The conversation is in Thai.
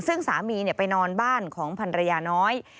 ซึ่งสามีไปนอนบ้านของพันรยาน้อย